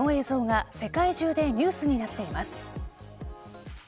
今、この映像が世界中でニュースになっています。